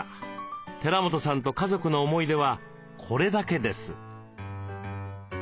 寺本さんと家族の思い出はこれだけです。